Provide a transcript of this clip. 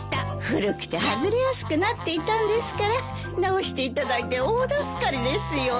古くて外れやすくなっていたんですから直していただいて大助かりですよ。